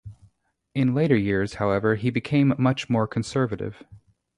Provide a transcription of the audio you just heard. In later years, however, he became much more conservative.